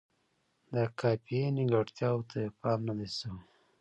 د قافیې نیمګړتیاوو ته یې پام نه دی شوی.